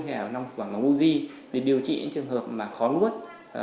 hay là nong thực quả bằng uji để điều trị những trường hợp khó nuốt